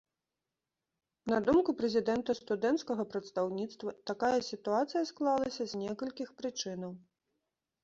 На думку прэзідэнта студэнцкага прадстаўніцтва, такая сітуацыя склалася з некалькіх прычынаў.